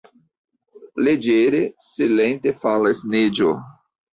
Leĝere, silente falas neĝo.